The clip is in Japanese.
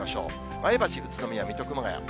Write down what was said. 前橋、宇都宮、水戸、熊谷。